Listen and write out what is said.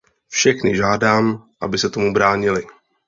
Všechny žádám, aby se tomu bránili.